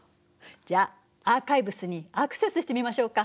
じゃあアーカイブスにアクセスしてみましょうか。